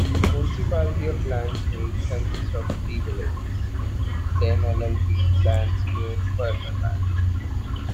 The municipality of Landsmeer consists of the three villages: Den Ilp, Landsmeer, Purmerland.